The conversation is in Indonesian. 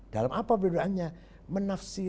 dalam apa perbedaannya